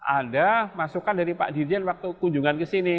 ada masukan dari pak dirjen waktu kunjungan ke sini